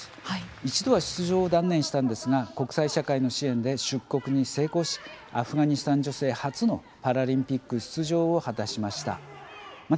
一度は出場を断念したんですが国際社会の支援で出国に成功しアフガニスタン女性初のパラリンピック出場に成功しました。